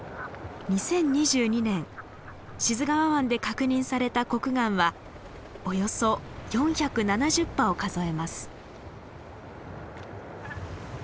２０２２年志津川湾で確認されたコクガンはおよそ４７０羽を数えます。